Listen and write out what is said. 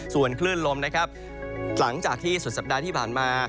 ส่วนคลื่นลมนะครับหลังจากที่สุดสัปดาห์ที่ผ่านมา